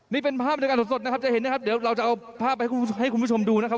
นี่เป็นภาพบริการสดนะครับเดี๋ยวเราจะเอาภาพให้คุณผู้ชมดูนะครับ